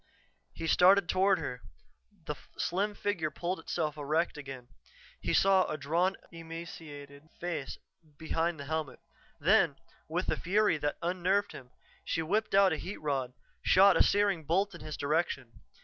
He started toward her; the slim figure pulled itself erect again. He saw a drawn, emaciated face behind the helmet. Then, with a fury that unnerved him, she whipped out a heat rod, shot a searing bolt in his direction.